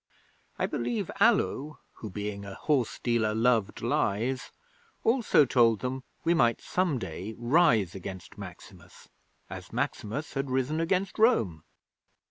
I believe Allo, who being a horse dealer loved lies, also told them we might some day rise against Maximus as Maximus had risen against Rome.